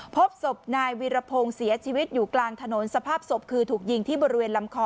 พบศพนายวีรพงศ์เสียชีวิตอยู่กลางถนนสภาพศพคือถูกยิงที่บริเวณลำคอ